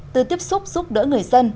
từ tiếp xúc giúp đỡ người dân